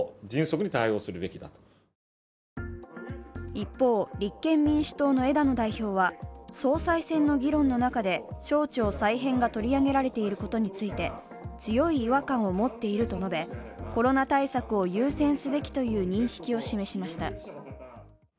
一方、立憲民主党の枝野代表は、総裁選の議論の中で省庁再編が取り上げられていることについて強い違和感を持っていると述べ、コロナ対策を優先すべきという認識を示しました。